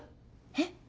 えっ？